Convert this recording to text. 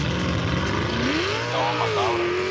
د لويي جرګې غړي د خپلو موټرو د درولو له پاره چېرته ځي؟